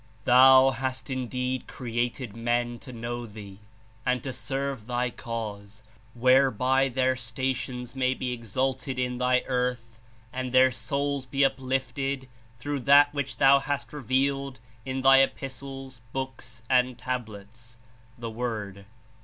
"Thou hast indeed created men to know Thee and to serve Thy Cause, whereby their stations may be exalted in Thy earth and their souls be uplifted through that which Thou hast revealed in Thy Epis tles, Books and Tablets (The Word)."